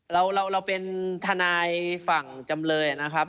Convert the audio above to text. เราเป็นทนายฝั่งจำเลยนะครับ